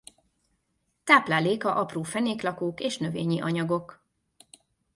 Tápláléka apró fenéklakók és növényi anyagok.